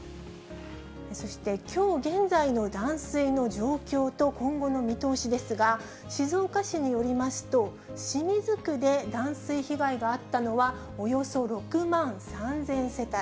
そして、きょう現在の断水の状況と今後の見通しですが、静岡市によりますと、清水区で断水被害があったのは、およそ６万３０００世帯。